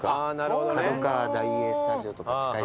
角川大映スタジオとか近い。